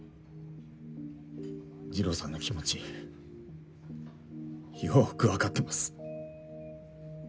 二郎さんの気持ちよくわかってます。